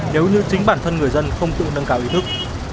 nếu như chính bản thân người dân không tự nâng cao ý thức